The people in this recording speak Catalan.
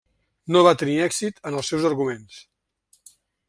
No va tenir èxit en els seus arguments.